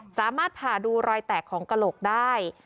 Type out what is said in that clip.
สามารถผ่าดูรอยแตกของกระโหลกได้